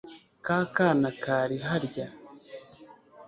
ka kana kari harya